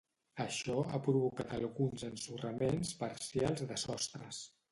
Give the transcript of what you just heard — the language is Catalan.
Això ha provocat alguns ensorraments parcials de sostres.